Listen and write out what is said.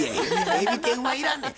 エビ天はいらんねん。